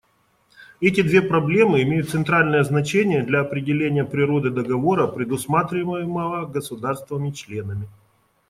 Эти две проблемы имеют центральное значение для определения природы договора, предусматриваемого государствами-членами.